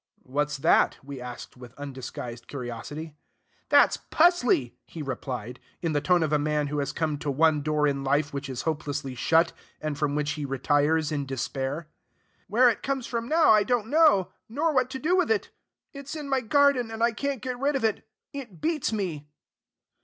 "What's that?" we asked with undisguised curiosity. "That's 'pusley'!" he replied, in the tone of a man who has come to one door in life which is hopelessly shut, and from which he retires in despair. "Where it comes from I don't know, nor what to do with it. It's in my garden; and I can't get rid of it. It beats me."